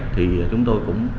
thì chúng tôi cũng